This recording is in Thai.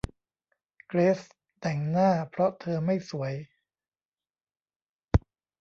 เกรซแต่งหน้าเพราะเธอไม่สวย